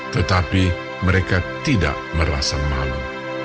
tetapi mereka tidak merasa malu